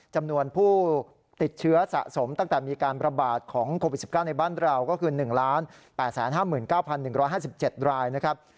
จำนวนผู้ติดเชื้อสะสมตั้งแต่มีการประบาดของโควิด๑๙ในบ้านเราก็คือ๑๘๕๙๑๕๗รายนะครับ